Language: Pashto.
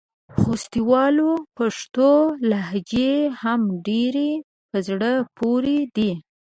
د خوستوالو پښتو لهجې هم ډېرې په زړه پورې دي.